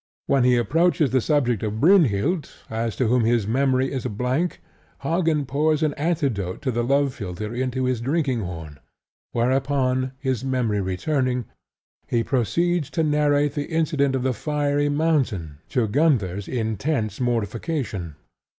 When he approaches the subject of Brynhild, as to whom his memory is a blank, Hagen pours an antidote to the love philtre into his drinking horn, whereupon, his memory returning, he proceeds to narrate the incident of the fiery mountain, to Gunther's intense mortification.